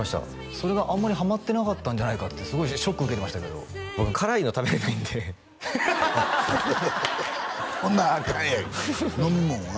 それがあんまりハマってなかったんじゃないかってすごいショック受けてましたけど僕辛いの食べれないんでほんならアカンやんけ飲みもんは？